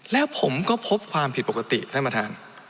แล้วผมก็พบความผิดปกติท่านประธาน